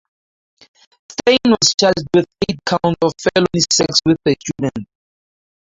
Stein was charged with eight counts of felony sex with a student.